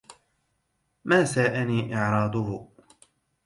ما ساءني إعراضه